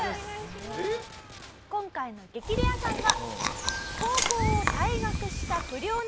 今回の激レアさんは。